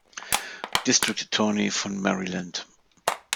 District Attorney von Maryland.